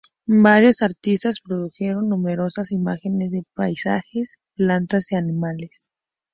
Varios artistas produjeron numerosas imágenes de paisajes, plantas, animales.